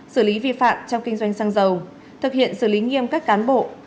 xử lý vi phạm trong kinh doanh xăng dầu thực hiện xử lý nghiêm các cán bộ